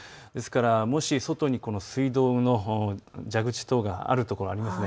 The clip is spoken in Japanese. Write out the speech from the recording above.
ですからもし外に水道の蛇口等があるところありますよね。